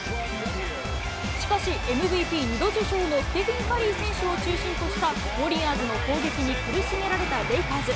しかし、ＭＶＰ２度受賞のステフィン・カリー選手を中心としたウォリアーズの攻撃に苦しめられたレイカーズ。